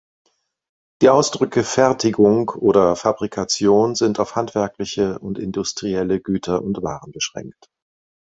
Die Ausdrücke "Fertigung" oder "Fabrikation" sind auf handwerkliche und industrielle Güter und Waren beschränkt.